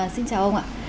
xin chào ông ạ